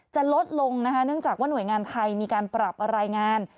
จะลดลงนะคะเนื่องจากว่าหน่วยงานไทยมีการปรับรายงาน